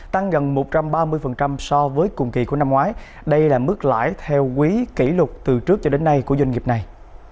tăng gần một trăm ba mươi so với cùng kỳ của năm ngoái đây là mức lãi theo quý kỷ lục từ trước cho đến nay của doanh nghiệp này